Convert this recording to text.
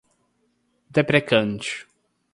deprecante